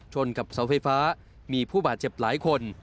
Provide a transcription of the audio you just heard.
กับเสาไฟฟ้ามีผู้บาดเจ็บหลายคน